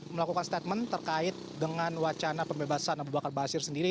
melakukan statement terkait dengan wacana pembebasan abu bakar basir sendiri